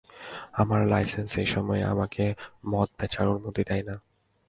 আমার লাইসেন্স এসময়ে আমাকে মদ বেচার অনুমতি দেয়না।